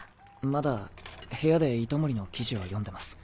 まだ部屋で糸守の記事を読んでます。